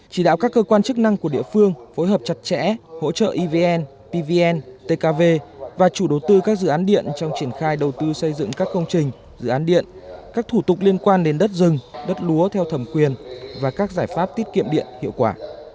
chỉ đạo các cơ quan chức năng của địa phương phối hợp chặt chẽ hỗ trợ evn pvn tkv và chủ đầu tư các dự án điện trong triển khai đầu tư xây dựng các công trình dự án điện các thủ tục liên quan đến đất rừng đất lúa theo thẩm quyền và các giải pháp tiết kiệm điện hiệu quả